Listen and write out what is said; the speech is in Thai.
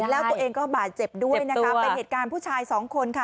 แล้วตัวเองก็บาดเจ็บด้วยนะคะเป็นเหตุการณ์ผู้ชายสองคนค่ะ